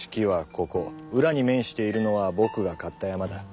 裏に面しているのは僕が買った山だ。